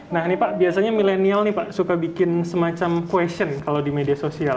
nah ini pak biasanya milenial nih pak suka bikin semacam question kalau di media sosial